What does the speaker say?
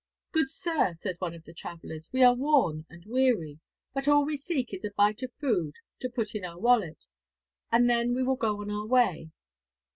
'Good sir,' said one of the travellers, 'we are worn and weary, but all we seek is a bite of food to put in our wallet, and then we will go on our way.'